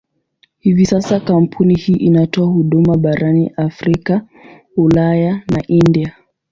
Hivi sasa kampuni hii inatoa huduma barani Afrika, Ulaya na India.